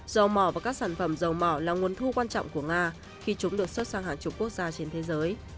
dầu mỏ và các sản phẩm dầu mỏ là nguồn thu quan trọng của nga khi chúng được xuất sang hàng chục quốc gia trên thế giới